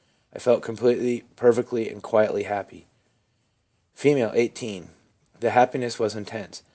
I felt completely, perfectly, and quietly happy.' R, 18. 'The happiness was intense.